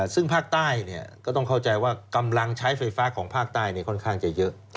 ซึ่งภาคใต้ก็ต้องเข้าใจว่ากำลังใช้ไฟฟ้าของภาคใต้ค่อนข้างจะเยอะ